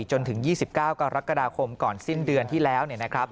จนถึง๒๙กรกฎาคมก่อนสิ้นเดือนที่แล้ว